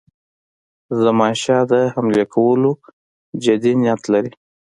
زمانشاه د حملې کولو جدي نیت لري.